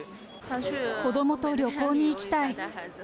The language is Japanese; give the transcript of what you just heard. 子どもと旅行に行きたい。